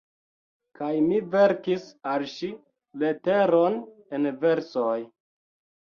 Kaj mi verkis al ŝi leteron en versoj».